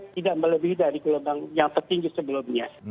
tidak melebihi dari gelombang yang tertinggi sebelumnya